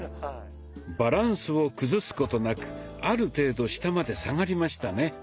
バランスを崩すことなくある程度下まで下がりましたね。